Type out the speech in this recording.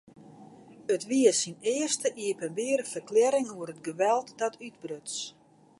It wie syn earste iepenbiere ferklearring oer it geweld dat útbruts.